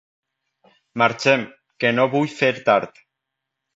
Marxem, que no vull fer tard.